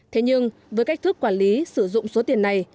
thế nhưng với cách thức quản lý sử dụng số tiền này